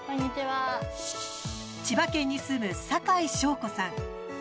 千葉県に住む、酒井翔子さん。